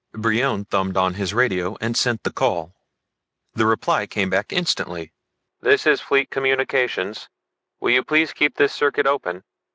Brion thumbed on his radio and sent the call. The reply came back instantly. "This is fleet communications. Will you please keep this circuit open?